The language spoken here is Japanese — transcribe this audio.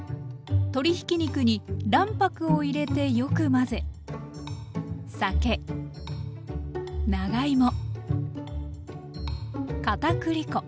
鶏ひき肉に卵白を入れてよく混ぜ酒長芋かたくり粉